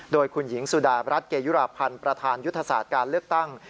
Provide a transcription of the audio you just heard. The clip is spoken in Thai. โดยคุณหญิงสุดารัฐเกยุราพันธ์ประธานยุทธศาสตร์การเลือกตั้ง